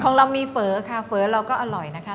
ของเรามีเฟ้อค่ะเฝอเราก็อร่อยนะคะ